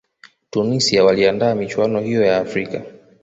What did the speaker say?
tunisia waliandaa michuano hiyo ya afrika